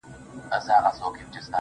ماته اسانه سو د لوی خدای په عطا مړ سوم,